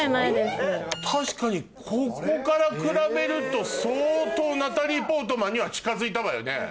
確かにここから比べると相当ナタリー・ポートマンには近づいたわよね。